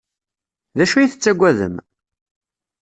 D acu ay tettaggadem?